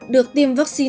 được tiêm vaccine